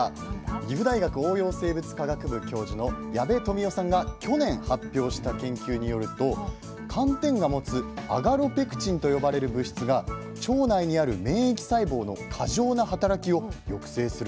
岐阜大学応用生物科学部教授の矢部富雄さんが去年発表した研究によると寒天が持つアガロペクチンと呼ばれる物質が腸内にある免疫細胞の過剰な働きを抑制することが分かったんです。